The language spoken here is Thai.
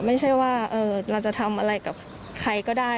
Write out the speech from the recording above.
ไม่ใช่ว่าเราจะทำอะไรกับใครก็ได้